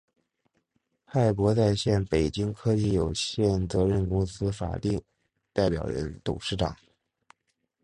派博在线（北京）科技有限责任公司法定代表人、董事长